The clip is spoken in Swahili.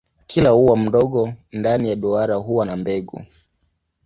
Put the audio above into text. Kila ua mdogo ndani ya duara huwa na mbegu.